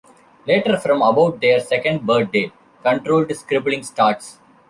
Later, from about their second birthday, controlled scribbling starts.